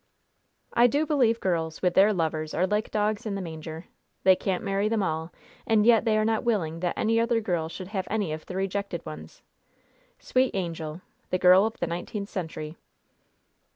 "I do believe girls, with their lovers, are like dogs in the manger; they can't marry them all, and yet they are not willing that any other girl should have any of the rejected ones! Sweet angel! the girl of the nineteenth century!"